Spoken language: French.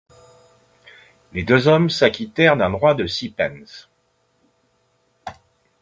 Les deux hommes s'acquittèrent d'un droit de six pence.